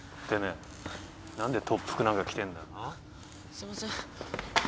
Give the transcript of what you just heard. すいません。